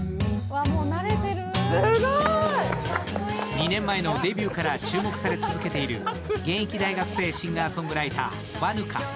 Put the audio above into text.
２年前のデビューから注目され続けている現役大学生シンガーソングライター、和ぬか。